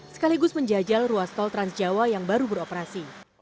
sekaligus menjajal ruas tol transjawa yang baru beroperasi